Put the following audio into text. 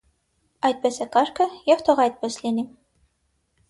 Այդպես է կարգը և թող այդպես լինի: